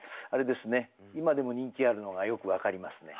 今でも人気あるのがよく分かりますね。